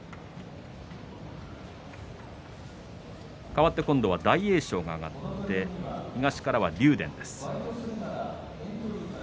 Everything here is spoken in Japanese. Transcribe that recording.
かわって今度は大栄翔が上がって東からは竜電です。